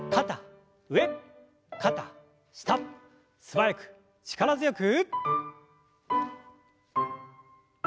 素早く力強く。